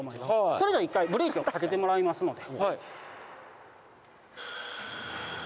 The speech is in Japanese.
それでは一回ブレーキをかけてもらいますので。